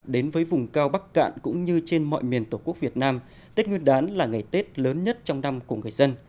đến với vùng cao bắc cạn cũng như trên mọi miền tổ quốc việt nam tết nguyên đán là ngày tết lớn nhất trong năm của người dân